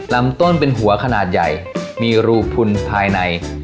ลำต้นเป็นหัวขนาดใหญ่มีรูพุนภายใน